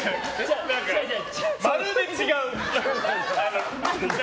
まるで違う。